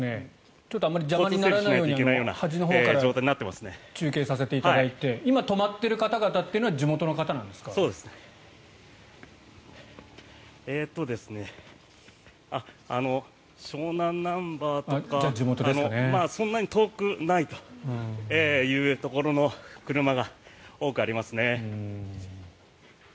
ちょっと邪魔にならないように端のほうから中継させていただいて今、止まっている方々というのは湘南ナンバーとかそんなに遠くないというところの車が多くありますね。